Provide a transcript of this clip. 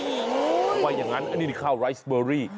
เพราะฉะนั้นอันนี้ค่าวไรซ์เบอรี่